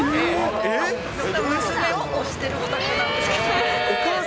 娘を推してるオタクなんですけど。